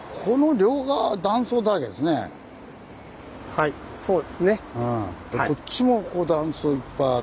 はいそうですね。